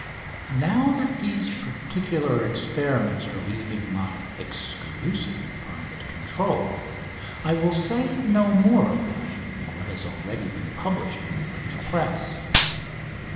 Now that these particular experiments are leaving my exclusively private control I will say no more of them than what has been already published in the French press.